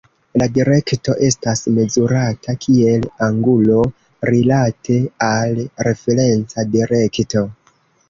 La direkto estas mezurata kiel angulo rilate al referenca direkto.